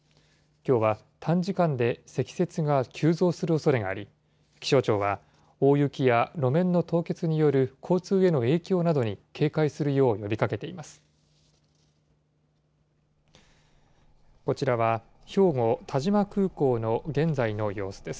きょうは短時間で積雪が急増するおそれがあり、気象庁は、大雪や路面の凍結による交通への影響などに警戒するよう呼びかけています。